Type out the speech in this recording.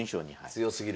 強すぎる。